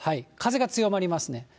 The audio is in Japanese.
風が強まりますね。